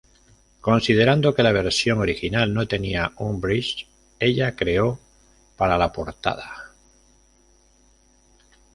Considerando que la versión original no tenía un "bridge", ella creó para la portada.